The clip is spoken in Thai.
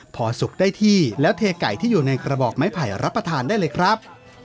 พอสุกได้ที่แล้วเทไก่ที่อยู่ในกระบอกไม้ไผ่รับประทานได้เลยครับ